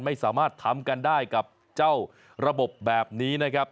ไม่สามารถทำกันได้กับเจ้าระบบแบบนี้นะครับ